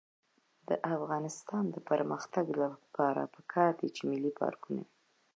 د افغانستان د اقتصادي پرمختګ لپاره پکار ده چې ملي پارکونه وي.